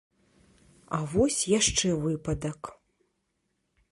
А вось яшчэ выпадак.